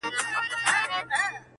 ه زه تر دې کلامه پوري پاته نه سوم.